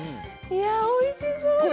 いやおいしそうです